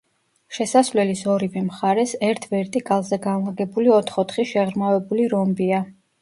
შესასვლელის ორივე მხარეს, ერთ ვერტიკალზე განლაგებული ოთხ-ოთხი შეღრმავებული რომბია.